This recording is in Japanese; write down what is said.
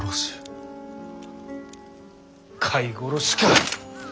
飼い殺しか。